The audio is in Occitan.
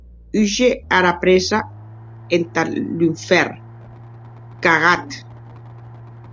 Húger ara prèssa entath lunfèrn, cagat!